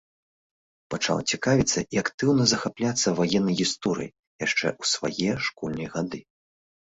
Пачаў цікавіцца і актыўна захапляцца ваеннай гісторыяй яшчэ ў свае школьныя гады.